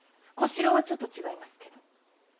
小四郎はちょっと違いますけど。